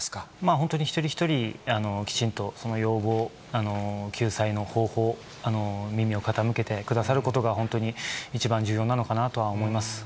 本当に一人一人、きちんとその要望、救済の方法、耳を傾けてくださることが、本当に一番重要なのかなとは思います。